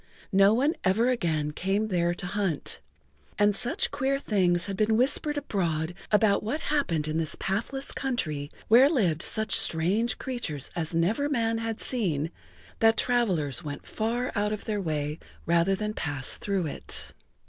No one ever again came there to hunt, and such queer things had been whispered abroad[Pg 45] about what happened in this pathless country, where lived such strange creatures as never man had seen, that travelers went far out of their way rather than pass through it.